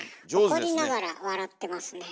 怒りながら笑ってますね。